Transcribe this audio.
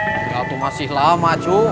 waktu masih lama cuy